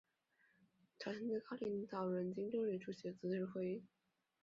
朝鲜最高领导人金正日也出席了此次会议。